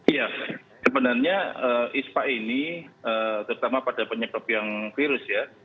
ya sebenarnya ispa ini terutama pada penyebab yang virus ya